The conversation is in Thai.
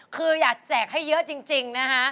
คืออยากแจกให้เยอะจริงนะคะ